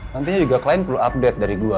nantinya juga klien perlu update dari gue